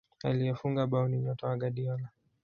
aliyefunga bao ni nyota wa guardiola